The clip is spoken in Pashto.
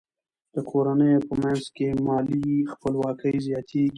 د کورنیو په منځ کې مالي خپلواکي زیاتیږي.